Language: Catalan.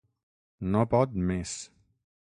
No pot més.